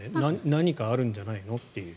何かあるんじゃないのっていう。